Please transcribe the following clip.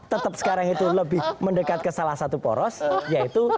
tetap sekarang itu lebih mendekat ke salah satu poros yaitu